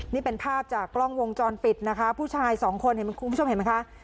นี่เป็นภาพจากกล้องวงจรปิดนะคะผู้ชายสองคนเห็นคุณผู้ชมเห็นไหมคะ